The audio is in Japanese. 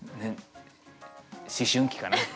思春期かな？